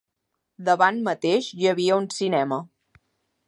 Davant mateix hi havia un cinema